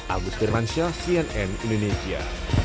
agus firmansyah cnn indonesia